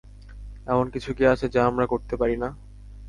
এমন কিছু কি আছে যা আমরা করতে পারি না?